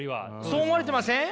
そう思われてません？